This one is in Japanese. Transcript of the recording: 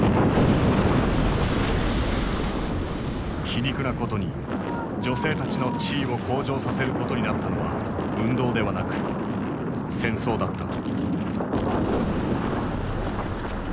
皮肉なことに女性たちの地位を向上させることになったのは運動ではなく戦争だった。